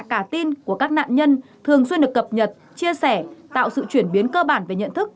cả tin của các nạn nhân thường xuyên được cập nhật chia sẻ tạo sự chuyển biến cơ bản về nhận thức